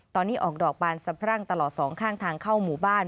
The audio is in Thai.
ตอนนี้ออกดอกบานสะพรั่งตลอดสองข้างทางเข้าหมู่บ้าน